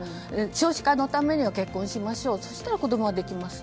少子化のためには結婚しましょうそうしたら子供ができます。